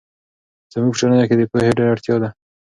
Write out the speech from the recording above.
زموږ په ټولنه کې د پوهې ډېر اړتیا ده.